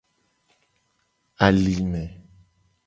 Alime.